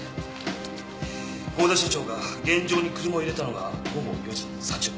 合田社長が現場に車を入れたのが午後４時３０分。